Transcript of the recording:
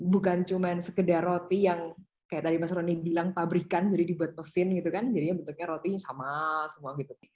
bukan cuma sekedar roti yang kayak tadi mas roni bilang pabrikan jadi dibuat mesin gitu kan jadinya bentuknya rotinya sama semua gitu